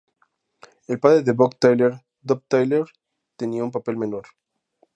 El padre de Buck Taylor, Dub Taylor, tenía un papel menor.